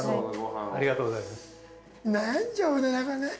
悩んじゃうね。